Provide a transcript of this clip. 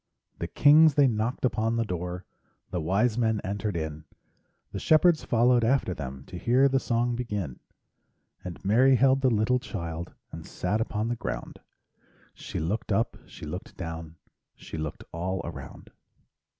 The kings they knocked upon the door, The wise men entered in, The shepherds followed after them To hear the song begin. And Mary held the little child And sat upon the ground; She looked up, she looked down, She looked all around.